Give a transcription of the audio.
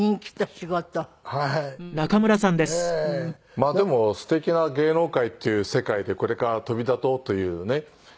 まあでもすてきな芸能界っていう世界でこれから飛び立とうというねっ。